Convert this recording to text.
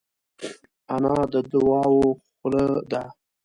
انا د دعاوو خوله ده